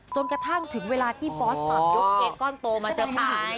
จนกระทั่งถึงเวลาที่บอสม่ำยกเค้ก้อนโตมาเซอร์ไพรส์